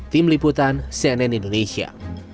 tim liputan cnn indonesia